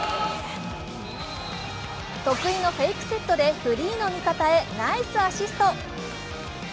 得意のフェイクセットでフリーの味方へナイスアシスト。